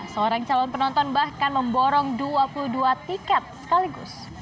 seorang calon penonton bahkan memborong dua puluh dua tiket sekaligus